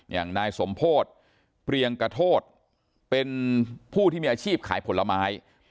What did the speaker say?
อย่างนายสมโพธิเปรียงกระโทธเป็นผู้ที่มีอาชีพขายผลไม้